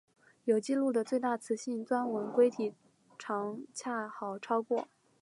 有纪录的最大雌性钻纹龟体长恰好超过。